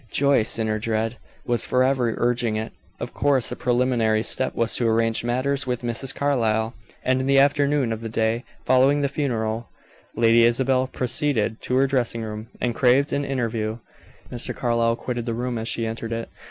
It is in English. Joyce, in her dread, was forever urging it. Of course, the preliminary step was to arrange matters with Mrs. Carlyle, and in the afternoon of the day following the funeral, Lady Isabel proceeded to her dressing room, and craved an interview. Mr. Carlyle quitted the room as she entered it.